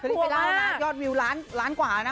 สวัสดีไปเล่านะยอดวิวล้านกว่านะ